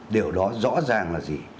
điều đó rõ ràng là gì